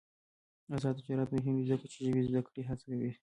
آزاد تجارت مهم دی ځکه چې ژبې زدکړه هڅوي.